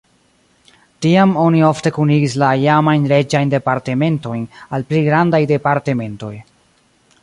Tiam oni ofte kunigis la iamajn reĝajn departementojn al pli grandaj departementoj.